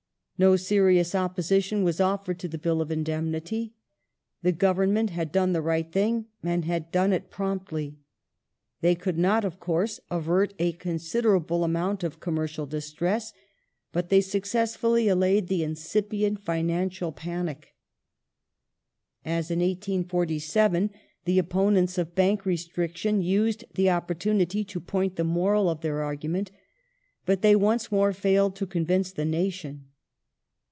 No serious opposition was offered to the Bill of Indemnity. The Government had done the right thing and had done it promptly. They could not, of course, avert a considerable amount of commercial distress ; but they successfully allayed the incipient financial panic. As in 1847 the opponents of Bank restriction used the opportunity to point the moral of their argument, but they once more failed to convince the nation.